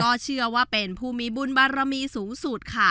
ก็เชื่อว่าเป็นผู้มีบุญบารมีสูงสุดค่ะ